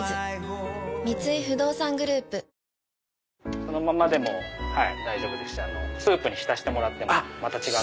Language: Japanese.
そのままでも大丈夫ですしスープに浸してもらっても違う。